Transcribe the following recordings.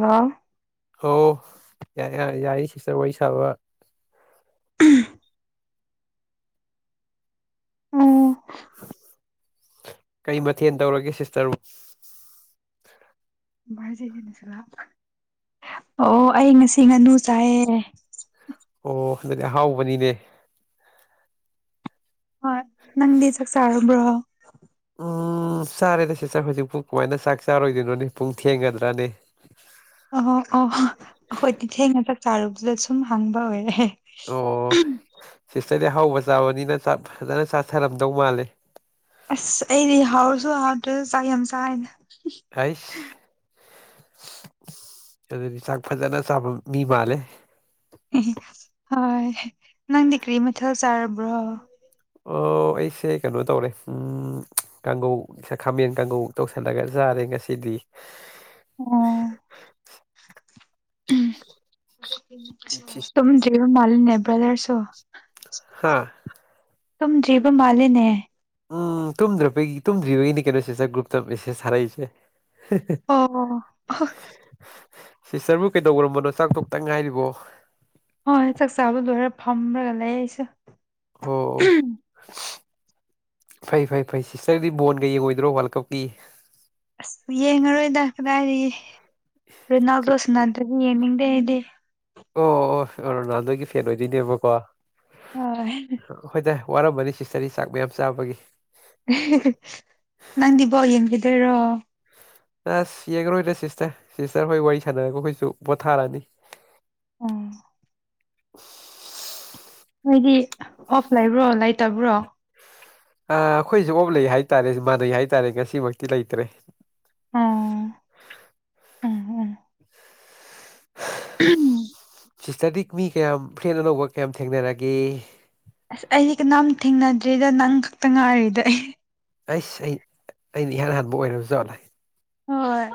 hello ꯑꯧ ꯌꯔꯦ ꯌꯔꯦ ꯌꯥꯏ ꯁꯤꯇꯔ ꯋꯥꯔꯤ ꯁꯥꯕ ꯎ ꯑꯣ [unintelligible] ꯀꯩ ꯃꯊꯦꯜ ꯇꯧꯔꯒꯦ ꯁꯤꯁꯇꯔꯕꯨ [unintelligible] ꯑꯣ ꯑꯩ ꯉꯁꯤ ꯉꯥꯅꯨ ꯆꯥꯏꯌꯦ ꯑꯣ ꯑꯗꯨꯗꯤ ꯑꯍꯥꯎꯕꯅꯤꯅꯦ ꯍꯣꯏ ꯅꯪꯗꯤ ꯆꯥꯛ ꯆꯥꯔꯕ꯭ꯔꯣ ꯎꯝ ꯆꯥꯔꯦꯗ ꯁꯤꯁꯇꯔ ꯍꯧꯖꯤꯛꯄꯨ ꯀꯃꯥꯏꯅ ꯆꯥꯛ ꯆꯥꯔꯣꯏꯗꯣꯏꯅꯣꯅꯦ ꯄꯨꯡ ꯊꯦꯡꯒꯗ꯭ꯔꯅꯦ ꯑꯣꯍꯣ ꯑꯣ ꯑꯍꯣꯏꯗꯤ ꯊꯦꯡꯅ ꯆꯥꯛ ꯆꯥꯔꯨꯕꯗꯨꯗ ꯁꯨꯝ ꯍꯪꯕ ꯑꯣꯏꯔꯦ ꯍꯦ ꯑꯣ ꯁꯤꯁꯇꯔꯗꯤ ꯑꯍꯥꯎꯕ ꯆꯥꯕꯅꯤꯅ ꯆꯥꯛ ꯐꯖꯅ ꯆꯥꯊꯔꯝꯗꯧ ꯃꯥꯜꯂꯦ ꯑꯁ ꯑꯩꯗꯤ ꯍꯥꯎꯔꯁꯨ ꯍꯥꯎꯇ꯭ꯔꯁꯨ ꯆꯥꯛ ꯌꯥꯝ ꯆꯥꯥꯏꯗ ꯍꯩꯁ ꯑꯗꯨꯗꯤ ꯆꯥꯛ ꯐꯖꯅ ꯆꯥꯕ ꯃꯤ ꯃꯥꯜꯂꯦ ꯏꯍꯤ ꯍꯣꯏ ꯅꯪꯗꯤ ꯀ꯭ꯔꯤ ꯃꯊꯦꯜ ꯆꯥꯔꯕ꯭ꯔꯣ ꯑꯣ ꯑꯩꯁꯦ ꯀꯅꯣ ꯇꯧꯔꯦ ꯎꯝ ꯀꯥꯡꯒꯧ ꯈꯥꯃꯦꯟ ꯀꯥꯡꯒꯧ ꯇꯧꯁꯜꯂꯒ ꯆꯥꯔꯦ ꯑꯥꯔꯦ ꯉꯁꯤꯗꯤ ꯑꯣ ꯍꯝ ꯇꯨꯝꯗ꯭ꯔꯤ ꯌꯦꯔꯨꯝ ꯃꯥꯜꯂꯤꯅꯦ ꯅꯦꯕꯔꯂꯔ ꯁꯣ ꯍꯥꯥ ꯇꯨꯝꯗ꯭ꯔꯤꯕ ꯃꯥꯜꯂꯦꯅꯦ ꯎꯝ ꯇꯨꯝꯗ꯭ꯔꯕꯒꯤ ꯇꯨꯝꯗ꯭ꯔꯤꯕꯒꯤꯅꯤ ꯀꯩꯅꯣ ꯁꯤꯁꯇꯔ ꯒ꯭ꯔꯨꯞꯇ ꯃꯦꯁꯦꯁ ꯊꯥꯔꯛꯏꯁꯦ ꯑꯣ ꯑꯍꯣ ꯁꯤꯁꯇꯔꯕꯨ ꯀꯩꯗꯧꯔꯝꯕꯅꯣ ꯆꯥꯛꯇꯣꯛꯇ ꯉꯥꯏꯔꯤꯕꯣ ꯍꯣꯏ ꯆꯥꯛꯆꯥꯥꯕ ꯂꯣꯏꯔ ꯐꯝꯔꯒ ꯂꯩ ꯑꯩꯁꯨ ꯑꯣ ꯐꯩ ꯐꯩ ꯐꯩ ꯁꯤꯁꯇꯔꯗꯤ ꯕꯣꯟꯒ ꯌꯦꯡꯉꯣꯏꯗ꯭ꯔꯣ ꯋꯥꯔꯜ ꯀꯞꯀꯤ ꯑꯁ ꯌꯦꯡꯉꯔꯣꯏꯗ ꯀꯗꯥꯏꯗꯒꯤ ꯔꯣꯅꯥꯜꯗꯣ ꯁꯥꯟꯅꯗ꯭ꯔꯗꯤ ꯌꯦꯡꯅꯤꯡꯗꯦ ꯑꯩꯗꯤ ꯑꯣ ꯑꯣ ꯑꯣ ꯔꯣꯅꯥꯜꯗꯣꯒꯤ ꯐꯦꯟ ꯑꯣꯏꯗꯣꯏꯅꯦꯕꯀꯣ ꯍꯣꯏ ꯍꯣꯏꯗꯥ ꯋꯥꯔꯝꯃꯅꯤ ꯁꯤꯁꯇꯔꯗꯤ ꯆꯥꯛ ꯃꯌꯥꯝ ꯆꯥꯕꯒꯤ ꯍꯦ ꯍꯦ ꯅꯪꯗꯤ ꯕꯣꯜ ꯌꯦꯡꯒꯤꯗꯣꯏꯔꯣ ꯑꯁ ꯌꯦꯡꯉꯔꯣꯏꯗꯥ ꯁꯤꯁꯇꯔ ꯁꯤꯁꯇꯔ ꯍꯣꯏ ꯋꯥꯔꯤ ꯁꯥꯟꯅꯔꯒ ꯑꯩꯈꯣꯏꯁꯨ ꯄꯣꯊꯥꯔꯅꯤ ꯑꯣ ꯅꯣꯏꯗꯤ ꯑꯣꯐ ꯂꯩꯕ꯭ꯔꯣ ꯂꯩꯇꯕ꯭ꯔꯣ ꯑꯥ ꯑꯩꯈꯣꯏꯖꯨ ꯑꯣꯞ ꯂꯩ ꯍꯥꯏꯇꯥꯔꯦ ꯃꯥꯟꯅꯩ ꯍꯥꯏꯇꯥꯔꯦ ꯉꯁꯤꯃꯛꯇꯤ ꯂꯩꯇꯔꯦ ꯑꯣ ꯑꯍꯝ ꯁꯤꯁꯇꯔꯗꯤ ꯃꯤ ꯀꯌꯥꯝ ꯐ꯭ꯔꯦꯟ ꯑꯅꯧꯕ ꯀꯌꯥꯝ ꯊꯦꯡꯅꯔꯒꯦ ꯑꯁ ꯑꯩꯗꯤ ꯀꯅꯥꯝ ꯊꯦꯡꯅꯗ꯭ꯔꯤꯗ ꯅꯪ ꯈꯛꯇ ꯉꯥꯏꯔꯤꯗ ꯑꯩ ꯑꯩꯁ ꯑꯩ ꯑꯩꯅ ꯏꯍꯥꯟ ꯍꯥꯟꯕ ꯑꯣꯏꯔꯕꯖꯥꯠꯂ ꯍꯣꯏ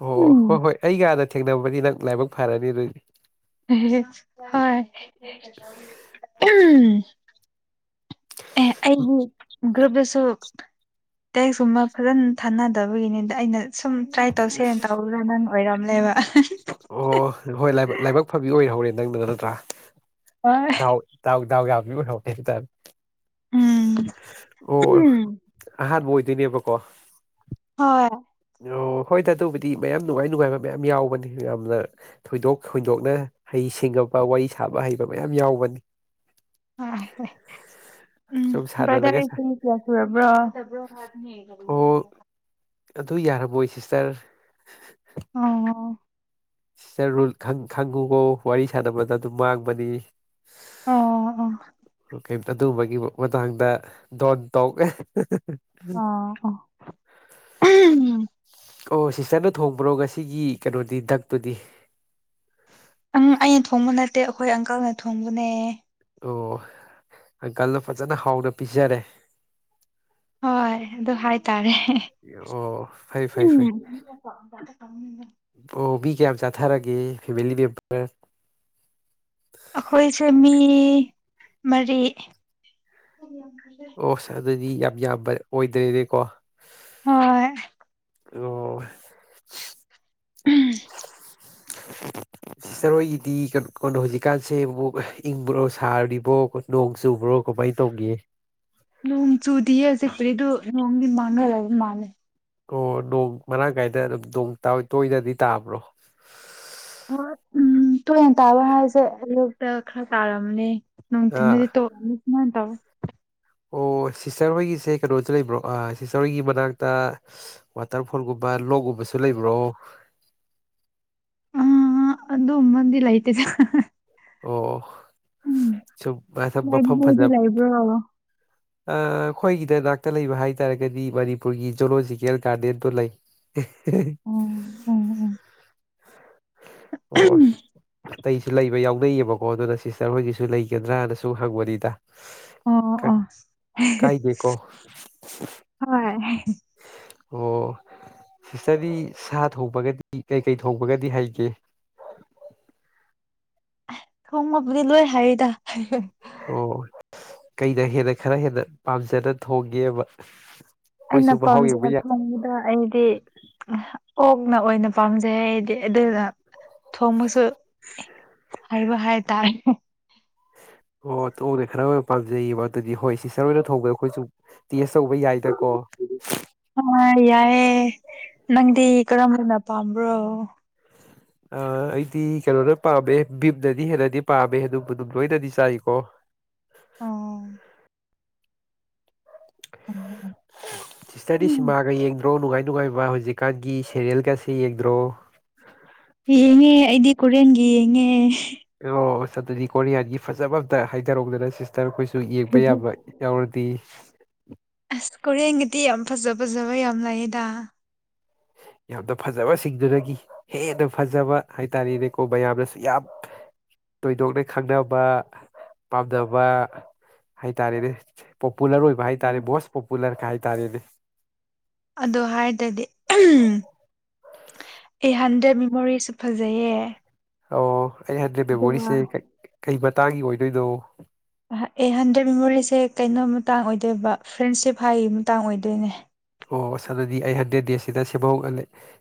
ꯍꯣ ꯑꯣ ꯎꯝ ꯍꯣꯏ ꯍꯣꯏ ꯑꯩꯒ ꯍꯥꯟꯅ ꯊꯦꯡꯅꯕꯩ ꯅꯪ ꯂꯥꯏꯕꯛ ꯐꯔꯅꯤ ꯑꯗꯨꯏꯗꯤ ꯑꯦꯍꯦ ꯍꯦ ꯍꯣꯏ ꯑꯦ ꯑꯩꯒꯤ ꯒ꯭ꯔꯨꯞꯗꯁꯨ ꯇꯦꯛꯁ ꯁꯨꯝꯕ ꯐꯖꯅ ꯊꯥꯟꯅꯗꯕꯒꯤꯅꯤꯗ ꯑꯩꯅ ꯁꯨꯝ ꯇ꯭ꯔꯥꯏ ꯇꯧꯁꯦꯅ ꯇꯧꯕꯗ ꯅꯪ ꯑꯣꯏꯔꯝꯂꯦꯕ ꯑꯣ ꯍꯣ ꯍꯣꯏ ꯂꯥꯏꯕꯛ ꯂꯥꯏꯕꯛ ꯐꯕꯤ ꯑꯣꯏꯍꯧꯔꯦ ꯅꯪꯅ ꯅꯠꯇ꯭ꯔꯥ ꯍꯣꯏ ꯗꯥꯎ ꯗꯥꯎ ꯗꯥꯎ ꯌꯥꯕꯤ ꯑꯣꯏꯍꯧꯔꯦ ꯍꯟꯇꯛ ꯎꯝ ꯑꯣ ꯎꯝ ꯑꯍꯥꯟꯕ ꯑꯣꯏꯗꯣꯏꯅꯦꯕꯀꯣ ꯍꯣꯏ ꯑꯣ ꯍꯣꯏꯗ ꯑꯗꯨꯕꯨꯗꯤ ꯃꯌꯥꯝ ꯅꯨꯡꯉꯥꯏ ꯅꯨꯡꯉꯥꯏꯕ ꯃꯌꯥꯝ ꯌꯥꯎꯕꯅꯤ ꯌꯥꯝꯅ ꯊꯣꯏꯗꯣꯛ ꯍꯣꯏꯗꯣꯛꯅ ꯍꯩ ꯏꯁꯤꯡꯉꯕ ꯋꯥꯔꯤ ꯁꯥꯕ ꯍꯩꯕ ꯃꯌꯥꯝ ꯌꯥꯎꯕꯅꯤ ꯍꯥꯏ ꯍꯦ ꯎꯝ ꯁꯨꯝ ꯁꯥꯟꯅꯔꯒ ꯕꯔꯗꯔꯑꯁꯤ ꯆꯍꯤ ꯀꯌꯥ ꯁꯨꯔꯕ꯭ꯔꯥ ꯑꯣ ꯑꯗꯨ ꯌꯥꯔꯕꯣꯏ ꯁꯤꯁꯇꯔ ꯑꯣ ꯑꯣ ꯁꯤꯁꯇꯔ ꯔꯨꯜ ꯈꯪ ꯈꯪꯉꯨꯀꯣ ꯋꯥꯔꯤ ꯁꯥꯟꯅꯕꯗ ꯑꯗꯨꯝ ꯃꯥꯡꯕꯅꯤ ꯑꯣ ꯑꯣ ꯀꯩꯝꯇ ꯑꯗꯨꯒꯨꯝꯕꯒꯤ ꯃꯇꯥꯡꯗ ꯗꯣꯟ ꯇꯣꯛ ꯑꯍꯦ ꯍꯦ ꯍ ꯑꯣ ꯑꯣ ꯑꯍꯝ ꯑꯣ ꯁꯤꯁꯇꯔꯅ ꯊꯣꯡꯕ꯭ꯔꯣ ꯉꯁꯤꯒꯤ ꯀꯩꯅꯣꯗꯤ ꯗꯛꯇꯨꯗꯤ ꯑꯪ ꯑꯩꯅ ꯊꯣꯡꯕ ꯅꯠꯇꯦ ꯑꯩꯈꯣꯏ ꯑꯪꯀꯜꯅ ꯊꯣꯡꯕꯅꯦ ꯑꯣ ꯑꯪꯀꯜꯅ ꯐꯖꯅ ꯍꯥꯎꯅ ꯄꯤꯖꯔꯦ ꯍꯣꯏ ꯑꯗꯨ ꯍꯥꯏꯇꯥꯔꯦ ꯍꯦꯍꯦ ꯑꯣ ꯐꯩ ꯐꯩ ꯐꯩ [unintelligible] ꯑꯣ ꯃꯤ ꯀꯌꯥꯝ ꯆꯥꯊꯔꯒꯦ ꯐꯦꯃꯤꯂꯤ ꯃꯦꯝꯕꯔ ꯑꯩꯈꯣꯏꯁꯦ ꯃꯤ ꯃꯔꯤ ꯑꯣꯁ ꯑꯗꯨꯗꯤ ꯌꯥꯝ ꯌꯥꯝꯕ ꯑꯣꯏꯗ꯭ꯔꯦꯅꯦꯀꯣ ꯍꯣꯏ ꯑꯣ ꯎꯝ [inaudible] ꯁꯤꯁꯇꯔꯍꯣꯏꯒꯤꯗꯤ ꯀꯩꯅꯣ ꯀꯩꯅꯣ ꯍꯧꯖꯤꯛꯀꯥꯟꯁꯦ ꯑꯃꯨꯛ ꯏꯪꯕ꯭ꯔꯣ ꯁꯥꯔꯤꯕ꯭ꯔꯣ ꯅꯣꯡ ꯆꯨꯕ꯭ꯔꯣ ꯀꯃꯥꯏ ꯇꯧꯒꯦ ꯅꯣꯡ ꯆꯨꯗꯤꯌꯦ [unintelligible] ꯅꯣꯡꯗꯤ ꯃꯪꯉꯒ ꯂꯩꯕ ꯃꯥꯜꯂꯦ ꯑꯣ ꯅꯣꯡ ꯃꯔꯥꯡ ꯀꯥꯏꯅ ꯑꯗꯨꯝ ꯅꯣꯡ ꯇꯥꯕ ꯇꯣꯏꯅꯗꯤ ꯇꯥꯕ꯭ꯔꯣ ꯍꯣꯏ ꯎꯝ ꯇꯣꯏꯅ ꯇꯥꯕ ꯍꯥꯏꯁꯦ ꯑꯌꯨꯛꯇ ꯈꯔ ꯇꯥꯔꯝꯅꯤ ꯑꯥ ꯅꯨꯡꯊꯤꯟꯗꯗꯤ ꯇꯣ ꯁꯨꯃꯥꯢꯅ ꯇꯧꯏ ꯑꯣ ꯁꯤꯁꯇꯔ ꯍꯣꯏꯒꯤꯁꯦ ꯀꯩꯅꯣꯗ ꯂꯩꯕ꯭ꯔꯣ ꯑꯥ ꯁꯤꯁꯇꯔ ꯍꯣꯏꯒꯤ ꯃꯅꯥꯛꯇ ꯋꯥꯇꯔꯐꯣꯜꯒꯨꯝꯕ ꯂꯣꯛ ꯀꯨꯝꯕꯁꯨ ꯂꯩꯕ꯭ꯔꯣ ꯑꯥ ꯑꯗꯨꯝꯕꯗꯤ ꯂꯩꯇꯦꯗ ꯍꯥ ꯍꯥ ꯑꯣ ꯑꯣ ꯁꯨꯝ [unintelligible] ꯃꯐꯝ ꯂꯥꯏꯕ꯭ꯔꯦꯔꯤꯗꯤ ꯐꯖꯅ ꯂꯩꯕ꯭ꯔꯣ ꯑꯥ ꯑꯩꯈꯣꯏꯒꯤꯗ ꯅꯥꯛꯇ ꯂꯩꯕ ꯍꯥꯏꯇꯥꯥꯔꯒꯗꯤ ꯃꯅꯤꯄꯨꯔꯒꯤ ꯖꯨꯂꯣꯖꯤꯀꯦꯜ ꯒꯥꯔꯗꯦꯟꯗꯣ ꯂꯩ ꯑꯦꯍꯦꯍꯦ [unintelligible] ꯑꯣ ꯑꯇꯩꯁꯨ ꯂꯩꯕ ꯌꯥꯎꯅꯩꯌꯦꯕꯀꯣ ꯑꯗꯨꯅ ꯁꯤꯁꯇꯔ ꯍꯣꯏꯒꯤꯁꯨ ꯂꯩꯒꯗ꯭ꯔꯥꯅ ꯁꯨꯝ ꯍꯪꯕꯅꯤꯗ ꯑꯣ ꯈꯛ ꯑꯣ ꯀꯥꯏꯗꯦꯀꯣ ꯍꯣꯏ ꯑꯣ ꯁꯤꯁꯇꯔꯗꯤ ꯁꯥ ꯊꯣꯡꯕꯒꯗꯤ ꯀꯩꯀꯩ ꯊꯣꯡꯕꯒꯗꯤ ꯍꯩꯒꯦ [inaudible] ꯍꯦ ꯊꯣꯡꯕꯕꯨꯗꯤ ꯂꯣꯏ ꯍꯩꯗ ꯑꯣ ꯀꯩꯅ ꯍꯦꯟꯅ ꯈꯔ ꯍꯦꯟꯅ ꯄꯥꯝꯖꯅ ꯊꯣꯡꯒꯦꯕ ꯑꯩꯅ ꯃꯍꯥꯎ ꯄꯥꯝꯖꯕ ꯌꯦꯡꯕ ꯌꯥꯏ ꯊꯣꯡꯕꯗ ꯑꯩꯗꯤ ꯑꯣꯛꯅ ꯑꯣꯏꯅ ꯄꯥꯝꯖꯩ ꯑꯩꯗꯤ ꯑꯗꯨꯅ ꯊꯣꯡꯕꯁꯨ ꯍꯥꯏꯔꯣꯏ ꯍꯥꯏ ꯇꯥꯔꯦ ꯑꯣ [unintelligible] ꯄꯥꯝꯖꯩꯌꯦꯕ ꯑꯗꯨꯗꯤ ꯍꯣꯏ ꯁꯤꯇꯔ ꯑꯣꯏꯅ ꯊꯣꯡꯕꯗ ꯑꯩꯈꯣꯏꯁꯨ ꯇꯦꯁ ꯇꯧꯕ ꯌꯥꯏꯗꯀꯣ ꯌꯥꯏꯑꯦ ꯅꯪꯗꯤ ꯀꯔꯝꯕꯅ ꯄꯥꯝꯕ꯭ꯔꯣ ꯑꯥ ꯑꯩꯗꯤ ꯀꯩꯅꯣꯅ ꯄꯥꯝꯃꯦ ꯚꯤꯝꯅꯗꯤ ꯍꯦꯟꯅꯗꯤ ꯄꯥꯝꯃꯦ ꯑꯗꯨꯝꯕꯨ ꯑꯗꯨꯝ ꯂꯣꯏꯅꯗꯤ ꯆꯥꯏꯀꯣ [inaudible] ꯁꯤꯁꯇꯔꯗꯤ ꯎꯝ ꯁꯤꯃꯥꯒ ꯌꯦꯡꯗ ꯗ꯭ꯔꯣ ꯅꯨꯡꯉꯥꯏ ꯅꯨꯡꯉꯥꯏꯕ ꯍꯧꯖꯤꯛꯀꯥꯟꯒꯤ ꯁꯦꯔꯤꯌꯜ ꯀꯥꯁꯦ ꯌꯦꯡꯗ꯭ꯔꯣ ꯌꯦꯡꯉꯦ ꯑꯩꯗꯤ ꯀꯣꯔꯝꯌꯥꯟꯒꯤ ꯌꯦꯡꯉꯦ ꯑꯣ ꯑꯁ ꯗꯨꯗꯤ ꯀꯣꯔꯤꯌꯥꯟꯒꯤ ꯐꯖꯕ ꯑꯝꯇ ꯍꯥꯏꯊꯔꯧꯗꯅ ꯁꯤ ꯇꯔ ꯑꯩꯈꯣꯏꯁꯨ ꯏꯕ ꯌꯥꯕ ꯌꯥꯎꯔꯗꯤ ꯑꯁ ꯀꯣꯔꯤꯌꯥꯟꯒꯤꯗꯤ ꯌꯥꯝ ꯐꯖ ꯐꯖꯕ ꯌꯥꯝ ꯂꯩꯌꯦꯗ ꯌꯥꯝꯅ ꯐꯖꯕꯁꯤꯡꯗꯨꯗꯒꯤ ꯍꯦꯟꯅ ꯐꯖꯕ ꯍꯥꯏꯇꯥꯔꯦꯅꯦꯀꯣ ꯃꯌꯥꯝꯅꯁꯨ ꯌꯥꯝ ꯊꯣꯏꯗꯣꯛꯅ ꯈꯪꯅꯕ ꯄꯥꯝꯅꯕ ꯍꯥꯏꯇꯥꯔꯦꯅꯦ ꯄꯣꯄꯨꯂꯔ ꯑꯣꯏꯕ ꯎꯝ ꯍꯥꯏꯇꯥꯔꯦ ꯃꯣꯁ ꯄꯣꯄꯨꯂꯔꯒ ꯍꯥꯏ ꯇꯔꯦꯅꯦ ꯑꯗꯨ ꯍꯥꯏꯔꯗꯤ ꯎꯝ ꯑꯩ ꯍꯟꯗ꯭ꯔꯦꯠ ꯃꯦꯃꯣꯔꯤꯁꯨ ꯐꯖꯩꯌꯦ ꯑꯣ ꯑꯩ ꯍꯟꯗ꯭ꯔꯦꯠ ꯑꯗꯨꯒ ꯕꯦꯃꯣꯔꯤꯁꯦ ꯀꯩ ꯃꯇꯥꯡꯒꯤ ꯑꯣꯏꯗꯣꯏꯅꯣ ꯑꯦ ꯍꯟꯗ꯭ꯔꯦꯗ ꯃꯦꯃꯣꯔꯤꯁꯦ ꯀꯩꯅꯣ ꯃꯇꯥꯡ ꯑꯣꯏꯗꯣꯏꯕ ꯐ꯭ꯔꯦꯟꯁꯤꯞ ꯍꯥꯏ ꯃꯇꯥꯡ ꯑꯣꯏꯗꯣꯏꯅꯦ ꯑꯣ ꯁꯥꯅꯗꯤ ꯑꯩ ꯍꯟꯗ꯭ꯔꯦꯠ ꯗꯦꯖꯁꯤꯗ ꯁꯦꯝꯍꯧ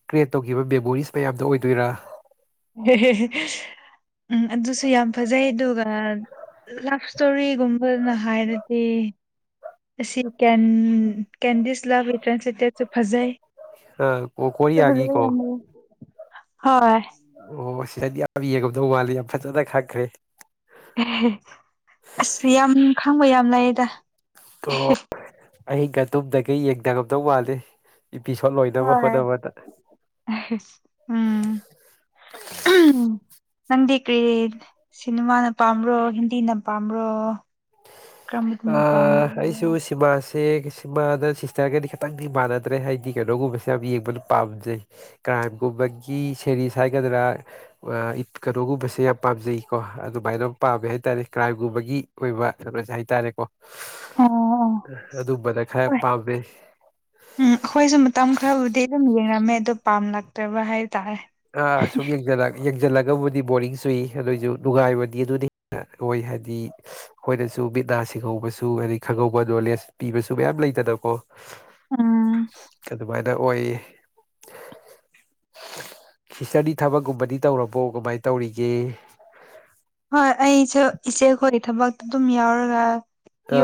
ꯀ꯭ꯔꯤꯌꯦꯠ ꯇꯧꯈꯤꯕ ꯃꯦꯃꯣꯔꯤꯁ ꯃꯌꯥꯝꯗꯣ ꯑꯣꯏꯗꯣꯏꯔꯥ ꯎꯝ ꯑꯗꯨꯁꯨ ꯌꯥꯝ ꯐꯖꯩ ꯑꯗꯨꯒ ꯂꯐ ꯁ꯭ꯇꯣꯔꯤꯒꯨꯝꯕꯅ ꯍꯥꯏꯔꯗꯤ ꯑꯁꯤ ꯀꯦꯟ ꯀꯦꯟꯗꯤꯁ ꯂꯚ ꯇ꯭ꯔꯟꯁꯇꯦꯠꯁꯨ ꯐꯖꯩ ꯑꯥ ꯀꯣꯔꯤꯌꯥꯒꯤ ꯐꯖꯕ ꯀꯣ ꯌꯥꯝ ꯂꯩ ꯍꯣꯏ ꯑꯣ ꯑꯁ ꯑꯩꯗꯤ ꯌꯥꯝ ꯌꯦꯡꯉꯝꯗꯧ ꯃꯥꯜꯂꯦ ꯌꯥꯝ ꯐꯖꯅ ꯈꯪꯈ꯭ꯔꯦ ꯍꯦꯍꯦ ꯑꯁ ꯌꯥꯝ ꯈꯪꯕ ꯌꯥꯝ ꯂꯩꯌꯦꯗ ꯑꯣ ꯑꯍꯤꯡꯒ ꯇꯨꯝꯗꯈꯩ ꯌꯦꯡꯗꯔꯝꯗꯧ ꯃꯥꯜꯂꯦ ꯏꯄꯤꯁꯣꯠ ꯂꯣꯏꯅꯕ ꯍꯣꯏ ꯍꯣꯠꯅꯕꯗ ꯑ ꯍꯝ ꯅꯪꯗꯤ ꯀ꯭ꯔꯤ ꯁꯤꯅꯤꯃꯥꯅ ꯄꯥꯝꯕ꯭ꯔꯣ ꯍꯤꯟꯗꯤꯅ ꯄꯥꯝꯕ꯭ꯔꯣ ꯀꯔꯝꯕꯗꯨꯅ ꯑꯥ ꯄꯥꯝꯕ꯭ꯔꯣ ꯑꯩꯁꯨ ꯁꯤꯃꯥꯁ ꯑꯦ ꯁꯤꯃꯥꯗ ꯁꯤꯁꯇ꯭ꯔꯒꯗꯤ ꯈꯤꯇꯪꯗꯤ ꯃꯥꯟꯅꯗ꯭ꯔꯦ ꯍꯥꯏꯗꯤ ꯀꯩꯅꯣꯒꯨꯝꯕꯁꯦ ꯌꯥꯝ ꯌꯦꯡꯕꯅ ꯄꯥꯝꯖꯩ ꯇ꯭ꯔꯥꯏꯝꯒꯨꯝꯕꯒꯤ ꯁꯦꯔꯤꯁ ꯍꯥꯏꯒꯗ꯭ꯔꯥ ꯑꯥ ꯏꯠ ꯩꯅꯣꯒꯨꯝꯕꯁꯦ ꯌꯥꯝꯅ ꯄꯥꯝꯖꯩ ꯀꯣ ꯑꯗꯨꯃꯥꯏꯅ ꯑꯗꯨꯝ ꯄꯥꯝꯃꯦ ꯍꯥꯏꯇꯥꯔꯦ ꯀ꯭ꯔꯥꯏꯝꯒꯨꯝꯕꯒꯤ ꯑꯣꯏꯕ ꯀꯩꯅꯁꯦ ꯍꯥꯏꯇꯔꯦ ꯑꯣ ꯑꯣ ꯑꯗꯨꯝꯕꯅ ꯈꯥꯔ ꯍꯣꯏ ꯄꯥꯝꯃꯦ ꯎꯝ ꯑꯩꯈꯣꯏꯁꯨ ꯃꯇꯝ ꯈꯥꯔꯕꯨꯗꯤ ꯑꯗꯨꯝ ꯌꯦꯡꯉꯝꯃꯦ ꯑꯗꯣ ꯄꯥꯝꯂꯛꯇ꯭ꯔꯥꯕ ꯍꯥꯏ ꯑꯥ ꯁꯨꯝ ꯌꯦꯡꯖꯤꯜꯂꯛ ꯌꯦꯛꯖꯤꯜꯂꯒꯕꯨ ꯕꯣꯔꯤꯡ ꯆꯨꯏ ꯑꯗꯨꯑꯣꯏꯁꯨ ꯅꯨꯡꯉꯥꯏꯕꯗꯤ ꯑꯗꯨꯅ ꯍꯦꯟꯅ ꯑꯣꯏ ꯍꯥꯏꯗꯤ ꯑꯈꯣꯏꯅꯁꯨ ꯃꯤꯠꯅ ꯁꯤꯡꯍꯧ ꯎꯕꯁꯨ ꯍꯥꯏꯗꯤ ꯈꯪꯍꯧꯕ ꯅꯣꯜꯂꯦꯖ ꯄꯤꯕꯁꯨ ꯃꯌꯥꯝ ꯂꯩꯗꯅꯀꯣ ꯎꯝ ꯑꯗꯨꯃꯥꯏꯅ ꯑꯣꯏꯌꯦ ꯁꯤꯁꯇ꯭ꯔꯗꯤ ꯊꯕꯛꯀꯨꯝꯕꯗꯤ ꯇꯧꯔꯕꯣ ꯀꯃꯥꯏꯅ ꯇꯧꯔꯤꯒꯦ ꯍꯣꯏ ꯑꯩꯁꯨ ꯏꯆꯦꯈꯣꯏꯒꯤ ꯊꯕꯛꯇ ꯑꯗꯨꯝ ꯌꯥꯎꯔꯒ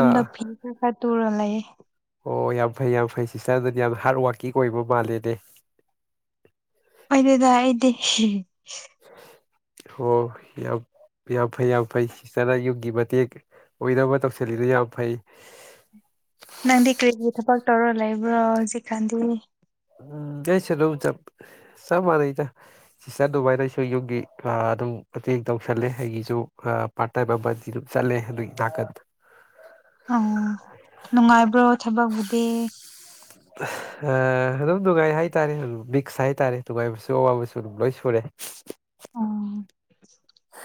ꯑꯥ ꯐꯤ ꯈꯥꯔ ꯈꯥꯔ ꯇꯨꯔ ꯂꯩꯌꯦ ꯑꯣ ꯌꯥꯝ ꯐꯩ ꯌꯥꯝ ꯐꯩ ꯁꯤꯁꯇ꯭ꯔꯗꯨꯗꯤ ꯌꯥꯝ ꯍꯥꯔꯠ ꯋꯥꯔꯀꯤꯡ ꯑꯣꯏꯕ ꯃꯥꯜꯂꯦꯅꯦ ꯑꯣꯏꯗꯦꯗ ꯑꯩꯗꯤ ꯍꯤꯍꯤ ꯑꯣ ꯌꯥꯝ ꯌꯥꯝ ꯐꯩ ꯌꯥꯝ ꯐꯩ ꯁꯤꯁꯇ꯭ꯔꯅ ꯌꯨꯝꯒꯤ ꯃꯇꯦꯡ ꯑꯣꯏꯅꯕ ꯇꯧꯁꯤꯜꯂꯤꯗꯣ ꯌꯥꯝ ꯐꯩ ꯁꯁ ꯅꯪꯗꯤ ꯀ꯭ꯔꯤꯒꯤ ꯊꯕꯛ ꯇꯧꯔ ꯂꯩꯕ꯭ꯔꯣ ꯍꯧꯖꯤꯛꯀꯥꯟꯗꯤ ꯎꯝ ꯑꯩꯁꯨ ꯑꯗꯨꯝ ꯆꯞ ꯆꯞ ꯃꯥꯟꯅꯩꯗ ꯁꯤꯁꯇ꯭ꯔ ꯗꯨꯃꯥꯏꯅ ꯑꯩꯁꯨ ꯌꯨꯝꯒꯤ ꯑꯗꯨꯝ ꯑꯥ ꯃꯇꯦꯡ ꯇꯧꯁꯤꯜꯂꯦ ꯑꯩꯒꯤꯁꯨ ꯑꯥ ꯄꯥꯔꯠ ꯇꯥꯏꯝ ꯑꯃꯗꯤ ꯑꯗꯨꯝ ꯆꯠꯂꯦ ꯑꯗꯨꯒꯤ ꯅꯥꯀꯟꯗ ꯑꯣ ꯅꯨꯡꯉꯥꯏꯕ꯭ꯔꯣ ꯊꯕꯛꯕꯨꯗꯤ ꯑꯥ ꯑꯗꯨꯝ ꯅꯨꯡꯉꯥꯏ ꯍꯥꯏꯇꯥꯔꯦ ꯑꯗꯨꯝ ꯃꯤꯛꯁ ꯍꯥꯏꯇꯥꯔꯦ ꯅꯨꯡꯉꯥꯏꯕꯁꯨ ꯑꯋꯥꯕꯁꯨ ꯑꯗꯨꯝ ꯂꯣꯏ ꯁꯨꯔꯦ ꯑꯣ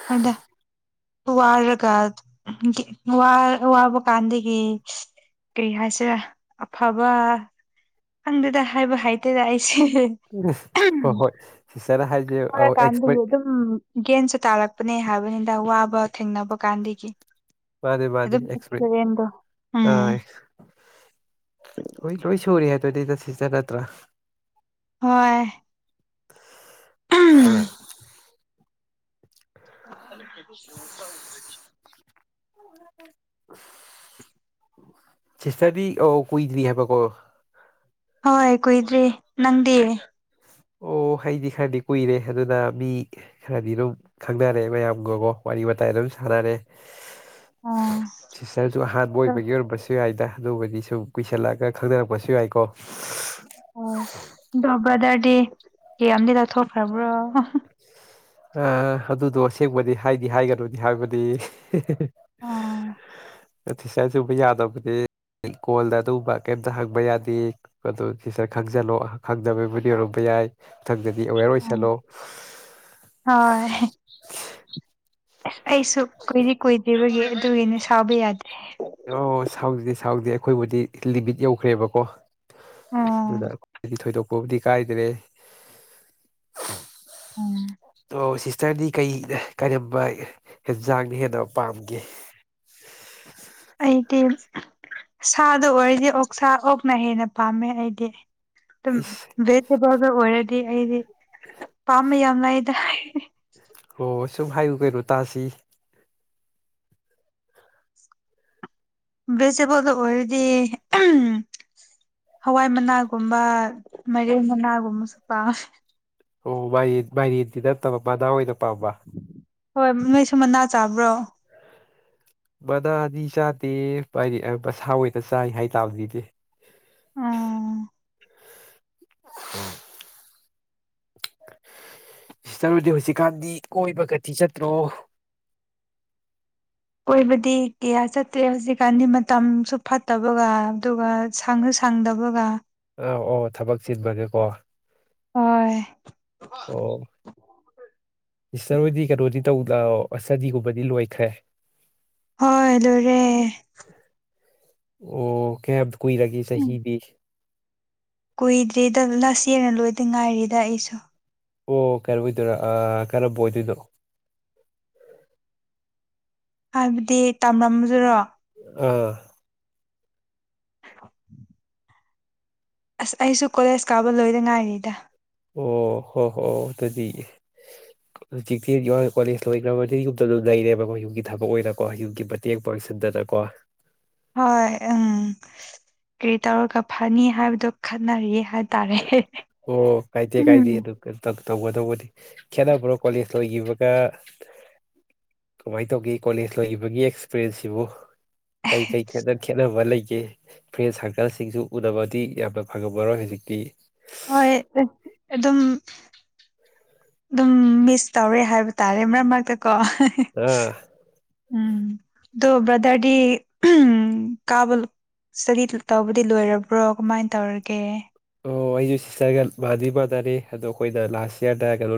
ꯍꯣꯏꯗ ꯋꯥꯔꯒ ꯑꯝ ꯒꯤ ꯋꯥ ꯋꯥꯕ ꯀꯥꯟꯗꯒꯤ ꯁꯁ ꯀ꯭ꯔꯤ ꯍꯥꯏꯁꯤꯔ ꯑꯐꯕ ꯈꯪꯗꯦꯗ ꯍꯥꯏꯕ ꯍꯥꯏꯇꯦꯗ ꯑꯩ ꯁꯦꯍꯦꯍꯦ ꯑꯍꯝ ꯍꯣꯏ ꯍꯣꯏ ꯁꯤꯁꯇꯔꯅ ꯍꯥꯏꯁꯦ ꯑꯧ ꯋꯥꯔꯀꯥꯟꯗꯒꯤ ꯑꯦꯛꯁꯄꯔꯤ ꯑꯗꯨꯝ ꯒꯦꯟꯁꯦ ꯇꯥꯔꯛꯄꯅꯦ ꯍꯥꯏꯕꯅꯤꯗ ꯋꯥꯕ ꯊꯦꯡꯅꯕ ꯀꯥꯟꯗꯒꯤ ꯃꯥꯅꯦ ꯃꯥꯅꯦ ꯑꯗꯨꯝ ꯑꯦꯁꯄꯦꯛ ꯑꯦꯛꯁꯄꯤꯔꯤꯌꯦꯟꯗꯣ ꯎꯝ ꯑꯥꯁ ꯍꯣꯏ ꯂꯣꯏ ꯁꯨꯔꯦ ꯑꯗꯨꯅꯤꯗ ꯁꯤꯁꯇꯔ ꯅꯠꯇ꯭ꯔꯥ ꯍꯣꯏ ꯍꯝ [unintelligible] [unintelligible] ꯁꯤꯁꯇꯔꯗꯤ ꯑꯣ ꯀꯨꯏꯗ꯭ꯔꯤ ꯍꯥꯏꯕ ꯀꯣ ꯍꯣꯏ ꯀꯨꯏꯗ꯭ꯔꯤ ꯅꯪꯗꯤ ꯑꯣ ꯑꯩꯗꯤ ꯈꯔꯗꯤ ꯀꯨꯏꯔꯦ ꯑꯗꯨꯅ ꯃꯤ ꯈꯔꯗꯤ ꯑꯗꯨꯝ ꯈꯪꯅꯔꯦ ꯃꯌꯥꯝꯒꯀꯣ ꯋꯥ ꯔꯤ ꯋꯥꯇꯥꯏ ꯑꯗꯨꯝ ꯁꯥꯟꯅꯔꯦ ꯑꯣ ꯁꯤꯁꯇꯔꯁꯨ ꯑꯍꯥꯟꯕ ꯑꯣꯏꯕꯒꯤ ꯑꯣꯏꯔꯝꯕꯁꯨ ꯌꯥꯏꯗ ꯑꯗꯨꯕꯨꯗꯤ ꯁꯨꯝ ꯀꯨꯏꯁꯜꯂꯛꯑꯒ ꯈꯪꯅꯔꯛꯄꯁꯨ ꯌꯥꯏꯀꯣ ꯑꯣ ꯗꯣ ꯕ꯭ꯔꯗꯔꯗꯤ ꯀꯌꯥꯝ ꯗꯤ ꯂꯧꯊꯣꯛꯈ꯭ꯔꯕ꯭ꯔꯣ ꯑ ꯑꯗꯨꯗꯣ ꯑꯁꯦꯡꯕꯗꯤ ꯍꯥꯏꯗꯤ ꯍꯥꯏꯒꯅꯨꯗꯤ ꯍꯥꯏꯕꯅꯤ ꯅꯊꯤꯁꯥꯁ ꯇꯧꯕ ꯌꯥꯗꯕꯅꯦ ꯀꯣꯜꯗ ꯑꯗꯨꯒꯨꯝꯕ ꯀꯩꯝꯇ ꯍꯪꯕ ꯌꯥꯗꯦ ꯑꯗꯨ ꯁꯤꯁꯇꯔ ꯈꯪꯖꯜꯂꯣ ꯈꯪꯗꯕꯩꯕꯨꯗꯤ ꯑꯣꯏꯔꯝꯕ ꯌꯥꯏ ꯃꯊꯪꯗꯗꯤ ꯑꯦꯋꯦꯌꯔ ꯑꯣꯏꯁꯜꯂꯣ ꯍꯣꯏ ꯑꯁ ꯑꯩꯁꯨ ꯀꯨꯏꯗꯤ ꯀꯨꯏꯗ꯭ꯔꯤꯕꯒꯤ ꯑꯗꯨꯒꯤꯅ ꯁꯥꯎꯕ ꯌꯥꯗꯦ ꯑꯣ ꯁꯥꯎꯗꯦ ꯁꯥꯎꯗꯦ ꯑꯩꯈꯣꯏꯕꯨꯗꯤ ꯂꯤꯃꯤꯠ ꯌꯧꯈ꯭ꯔꯦꯕꯀꯣ ꯑꯣ ꯑꯗꯨꯅ ꯑꯩꯈꯣꯏ ꯊꯣꯏꯗꯣꯛꯄꯕꯨꯗꯤ ꯀꯥꯏꯗ꯭ꯔꯦ ꯎꯝ ꯑꯣ ꯁꯤꯁꯇꯔꯗꯤ ꯀꯩ ꯀꯔꯝꯕ ꯌꯦꯟꯁꯥꯡꯅ ꯍꯦꯟꯅ ꯄꯥꯝꯒꯦ ꯑꯩꯇꯤ ꯁꯥꯗ ꯑꯣꯏꯔꯗꯤ ꯑꯣꯛ ꯁꯥ ꯑꯣꯛꯅ ꯍꯦꯟꯅ ꯄꯥꯝꯃꯦ ꯑꯩꯗꯤ ꯑꯗꯨꯝ ꯑꯩꯁ ꯚꯦꯖꯤꯇꯦꯕꯜꯒ ꯑꯣꯏꯔꯗꯤ ꯑꯩꯗꯤ ꯄꯥꯝꯕ ꯌꯥꯝ ꯂꯩꯗ ꯑꯣ ꯁꯨꯝ ꯍꯥꯏꯌꯨ ꯀꯩꯅꯣ ꯇꯥꯁꯤ ꯕꯦꯁꯇꯦꯕꯜꯗ ꯑꯣꯏꯔꯗꯤ ꯎꯝ ꯍꯋꯥꯏ ꯃꯅꯥꯒꯨꯝꯕ ꯃꯥꯏꯔꯦꯜ ꯃꯅꯥꯒꯨꯝꯕꯁꯨ ꯄꯥꯝ ꯑꯣ ꯃꯥꯏ ꯃꯥꯏꯔꯦꯟꯗꯤ ꯅꯠꯇꯕ ꯃꯅꯥ ꯑꯣꯏꯅ ꯄꯥꯝꯕ ꯍꯣꯏ ꯅꯣꯏꯁꯨ ꯃꯅꯥ ꯆꯥꯕ꯭ꯔꯣ ꯃꯅꯥꯅꯤ ꯆꯥꯗꯦ ꯃꯥꯏ ꯃꯁꯥ ꯑꯣꯏꯅ ꯆꯥꯏ ꯍꯥꯏ ꯇꯥꯕꯅꯤꯅꯦ ꯑꯣ [inaudible] ꯥꯁꯤꯁꯇꯔ ꯍꯣꯏꯗꯤ ꯍꯧꯖꯤꯛꯀꯥꯟꯗꯤ ꯀꯣꯏꯕꯒꯗꯤ ꯆꯠꯇ꯭ꯔꯣ [inaudible] ꯀꯣꯏꯕꯗꯤ ꯀꯌꯥ ꯆꯠꯇ꯭ꯔꯦ ꯍꯧꯖꯤꯛꯀꯥꯟꯗꯤ ꯃꯇꯝꯁꯨ ꯐꯠꯇꯕꯒ ꯑꯗꯨꯒ ꯁꯪꯉ ꯁꯪ ꯗꯕꯒ ꯑꯧ ꯑꯣ ꯊꯕꯛ ꯆꯤꯟꯕꯅꯀꯣ ꯍꯣꯏ ꯁꯤꯁꯇꯔ ꯍꯣꯏꯗꯤ ꯀꯩꯅꯣꯗꯤ ꯇꯧ ꯁꯇꯗꯤꯒꯨꯝꯕꯗꯤ ꯂꯣꯏꯈ꯭ꯔꯦ ꯍꯣꯏ ꯂꯣꯏ ꯔꯦ ꯑꯣ ꯀꯌꯥꯝ ꯀꯨꯏꯔꯒꯦ ꯆꯍꯤꯗꯤ ꯀꯨꯏꯗ꯭ꯔꯤꯗ ꯅꯁꯤꯅ ꯂꯣꯏꯗ ꯉꯥꯏꯔꯤꯗ ꯑꯩꯁꯨ ꯑꯣ ꯀꯔ ꯑꯣꯏꯗꯣꯏꯔ ꯑꯥ ꯀꯔꯝꯕ ꯑꯣꯏꯗꯣꯏꯅꯣ ꯍꯥꯏꯕꯗꯤ ꯇꯝꯃꯝꯕꯗꯨꯔꯣ ꯑꯥ ꯑꯁ ꯑꯩꯁꯨ ꯀꯣꯂꯦꯖ ꯀꯥꯕ ꯂꯣꯏꯗ ꯉꯥꯏꯔꯤꯗ ꯑꯣ ꯍꯣ ꯍꯣ ꯑꯗꯨꯗꯤ ꯍꯧꯖꯤꯛꯇꯤ ꯀꯣꯂꯦꯖ ꯂꯣꯏꯈ꯭ꯔꯕꯅꯤꯅ ꯌꯨꯝꯗ ꯑꯗꯨꯝ ꯂꯩꯔꯦꯕꯀꯣ ꯌꯨꯝꯒꯤ ꯊꯕꯛ ꯑꯣꯏꯅꯀꯣ ꯌꯨꯝꯒꯤ ꯃꯇꯦꯡ ꯄꯥꯡ ꯆꯤꯟꯗꯅ ꯀꯣ ꯍꯣꯏ ꯎꯝ ꯀꯔꯤ ꯇꯧꯔꯒ ꯐꯅꯤ ꯍꯥꯏꯕꯗꯣ ꯈꯠꯅꯔꯤ ꯍꯥꯏ ꯑꯣ ꯀꯥꯏꯗꯦ ꯀꯥꯏꯗꯦ ꯗꯨꯒ ꯇꯝ ꯇꯧꯒꯗꯧꯕꯅꯤ ꯈꯦꯠꯅꯕ꯭ꯔꯣ ꯀꯣꯂꯦꯖ ꯂꯣꯒꯤꯕꯒ ꯀꯃꯥꯏꯅ ꯇꯧꯒꯦ ꯀꯣꯂꯦꯖ ꯂꯣꯒꯤꯕꯒꯤ ꯑꯦꯛꯁꯄꯤꯔꯦꯟꯁꯁꯤꯕꯨ ꯀꯩ ꯀꯩ ꯈꯦꯅ ꯈꯦꯅꯕꯂꯩ ꯑꯦ ꯐ꯭ꯔꯦꯟ ꯁꯥꯔꯀꯜꯁꯤꯡꯁꯨ ꯎꯅꯕꯗꯤ ꯌꯥꯝꯅ ꯐꯪꯉꯝꯃꯔꯣꯏ ꯍꯧꯖꯤꯛꯇꯤ ꯍꯣꯏ ꯑꯦ ꯑꯗꯨꯝ ꯑꯗꯨꯝ ꯃꯤꯁ ꯇꯧꯔꯦ ꯍꯥꯏꯕ ꯇꯥꯔꯦ ꯃꯔꯛ ꯃꯔꯛꯇꯀꯣ ꯑꯥ ꯎꯝ ꯑꯗꯨ ꯕ꯭ꯔꯗꯔꯗꯤ ꯎꯝ ꯀꯥꯕ ꯑꯁꯇꯗꯤ ꯇꯧꯕꯗꯤ ꯂꯣꯏꯔꯕ꯭ꯔꯣ ꯀꯃꯥꯏꯅ ꯇꯧꯔꯒꯦ ꯑꯣ ꯑꯩꯁꯨ ꯁꯤꯁꯇꯔꯒ ꯃꯥꯗꯤ ꯃꯥꯟꯅꯔꯤ ꯑꯗꯣ ꯑꯩꯈꯣꯏꯗ ꯂꯥꯁ ꯌꯔꯗ ꯀꯩꯅꯣ